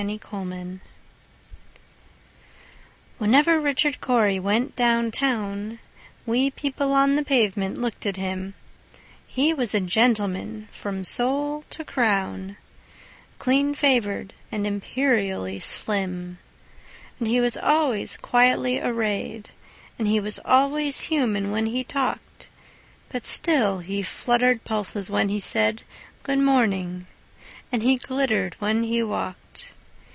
Richard Cory Whenever Richard Cory went down town, We people on the pavement looked at him: He was a gentleman from sole to crown, Clean favored, and imperially slim. And he was always quietly arrayed, And he was always human when he talked; But still he fluttered pulses when he said, "Good morning," and he glittered when he walked.